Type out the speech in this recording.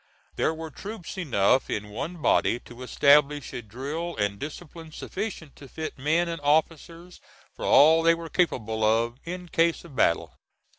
There were troops enough in one body to establish a drill and discipline sufficient to fit men and officers for all they were capable of in case of battle.